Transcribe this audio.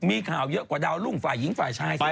มีข่าวเยอะกว่าดาวรุ่งฝ่ายหญิงฝ่ายชายซะ